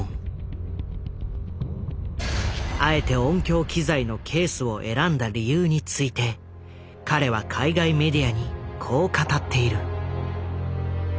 あえて音響機材のケースを選んだ理由について彼は海外メディアにこう語っている。